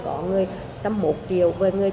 có người một trăm linh một triệu